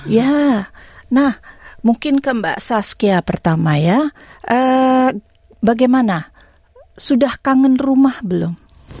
ya nah mungkin ke mbak saskia pertama ya bagaimana sudah kangen rumah belum